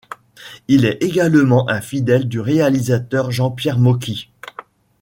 Il est également un fidèle du réalisateur Jean-Pierre Mocky.